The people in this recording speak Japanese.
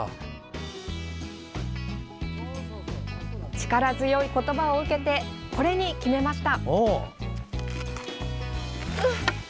力強い言葉を受けてこれに決めました。